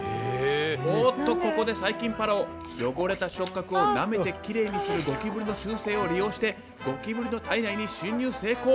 おっとここで細菌パラオ汚れた触角をなめてきれいにするゴキブリの習性を利用してゴキブリの体内に侵入成功！